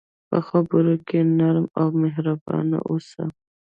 په خبرو کې نرم او مهربان اوسه.